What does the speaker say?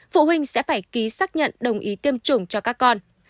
phụ huynh sẽ phải ký xác nhận đồng ý tiêm chủng cho các con